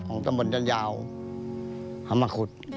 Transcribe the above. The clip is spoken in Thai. ของตำบลด้านยาวมาขุด